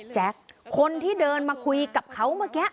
แจ๊คคนที่เดินมาคุยกับเขาเมื่อกี้